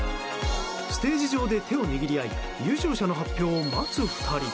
ステージ上で手を握り合い優勝者の発表を待つ２人。